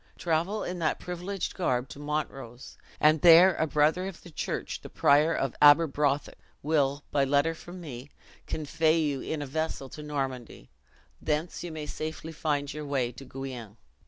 Travel in that privileged garb to Montrose; and there a brother of the church, the prior of Aberbrothick, will, by a letter from me, convey you in a vessel to Normandy; thence you may safely find your way to Guienne."